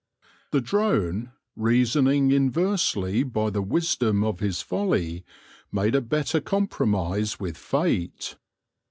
The drone, reasoning inversely by the wisdom of his folly, made a better compromise with fate.